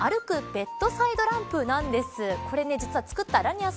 ベッドサイドランプなんです。